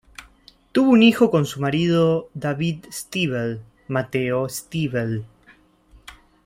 Tuvo un hijo con su marido David Stivel, Mateo Stivel.